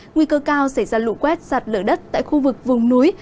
nguy cơ cao xảy ra lũ quét sạt lở đất tại khu vực vùng núi